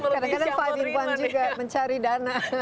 kadang kadang five in one juga mencari dana